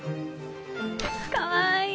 かわいい。